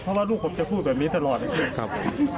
เพราะว่าลูกผมจะพูดแบบนี้ตลอดนะครับ